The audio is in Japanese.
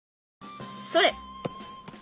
それ！